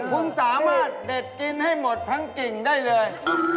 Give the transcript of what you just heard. คุณสามารถเด็ดกินให้หมดทั้งกิ่งได้เลย